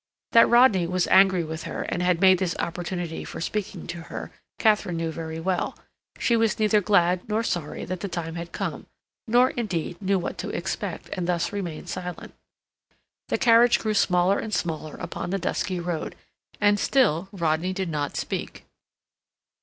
That Rodney was angry with her and had made this opportunity for speaking to her, Katharine knew very well; she was neither glad nor sorry that the time had come, nor, indeed, knew what to expect, and thus remained silent. The carriage grew smaller and smaller upon the dusky road, and still Rodney did not speak.